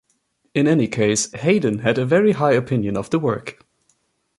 In any case, Haydn had a very high opinion of the work.